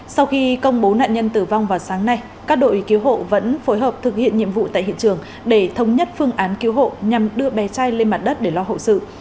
sau khi công bố nạn nhân tử vong vào sáng nay các đội cứu hộ vẫn phối hợp thực hiện nhiệm vụ tại hiện trường để thống nhất phương án cứu hộ nhằm đưa bé trai lên mặt đất để lo hậu sự